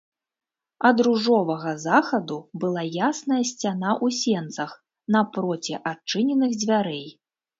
Ад ружовага захаду была ясная сцяна ў сенцах, напроці адчыненых дзвярэй.